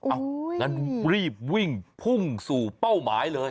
งั้นรีบวิ่งพุ่งสู่เป้าหมายเลย